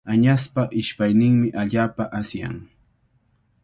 Añaspa ishpayninmi allaapa asyan.